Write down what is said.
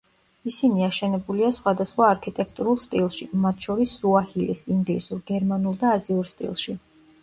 ისინი აშენებულია სხვადასხვა არქიტექტურულ სტილში, მათ შორის სუაჰილის, ინგლისურ, გერმანულ და აზიურ სტილში.